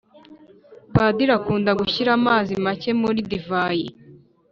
Padiri akunda gushyira amazi make muri divayi